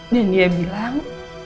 dan dia bilang